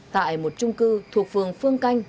tại một trung cư thuộc phường phương canh